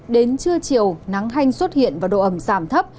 đến trưa chiều nắng thanh xuất hiện và độ ấm giảm thấp